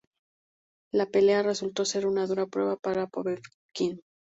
La pelea resultó ser una dura prueba para Povetkin.